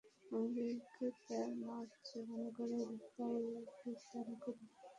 আমাদেরকে তাঁর মত জীবন গড়ার তাওফীক দান করুন।